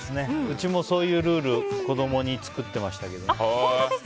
うちもそういうルール子供に作ってましたけど。